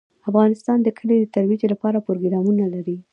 افغانستان د کلي د ترویج لپاره پروګرامونه لري.